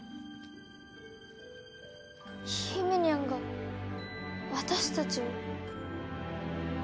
ひめにゃんが私たちを？